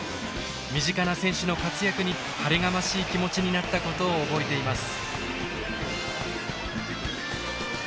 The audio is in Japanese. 身近な選手の活躍に晴れがましい気持ちになったことを覚えています。